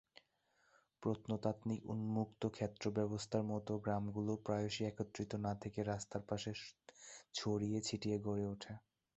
প্রত্নতাত্ত্বিক উন্মুক্ত ক্ষেত্র ব্যবস্থার মতো গ্রামগুলি প্রায়শই একত্রিত না থেকে রাস্তার পাশে ছড়িয়ে ছিটিয়ে গড়ে উঠে।